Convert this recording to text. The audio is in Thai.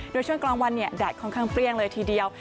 โดยช่วงกลางวันแดดค่อนข้างเปรี้ยงเลยทีเดียว